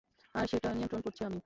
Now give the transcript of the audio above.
আর সেটা নিয়ন্ত্রণ করছি আমি।